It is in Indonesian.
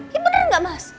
ya bener ga mas